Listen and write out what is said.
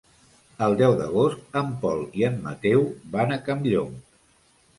El deu d'agost en Pol i en Mateu van a Campllong.